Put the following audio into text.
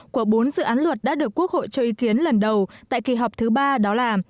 của bốn dự án luật đã được quốc hội cho ý kiến lần đầu tại kỳ họp thứ ba đó là